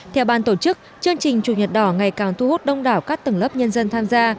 theo ban tổ chức chương trình chủ nhật đỏ ngày càng thu hút đông đảo các tầng lớp nhân dân tham gia